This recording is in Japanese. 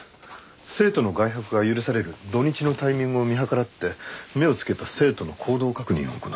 生徒の外泊が許される土日のタイミングを見計らって目をつけた生徒の行動確認を行う。